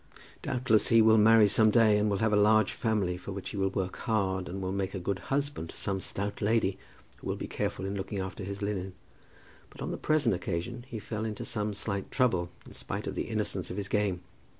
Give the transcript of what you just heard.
Doubtless he will marry some day, will have a large family for which he will work hard, and will make a good husband to some stout lady who will be careful in looking after his linen. But on the present occasion he fell into some slight trouble in spite of the innocence of his game.